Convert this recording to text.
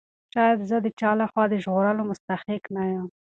شاید زه د چا له خوا د ژغورلو مستحق نه یم.